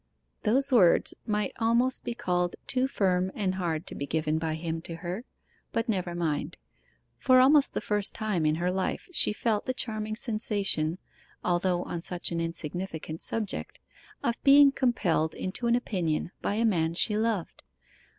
Those words might almost be called too firm and hard to be given by him to her; but never mind. For almost the first time in her life she felt the charming sensation, although on such an insignificant subject, of being compelled into an opinion by a man she loved.